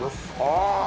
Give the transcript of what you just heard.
ああ！